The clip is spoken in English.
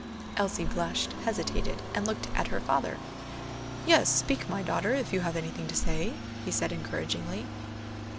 Elsie blushed, hesitated, and looked at her father. "Yes, speak, my daughter, if you have anything to say," he said encouragingly.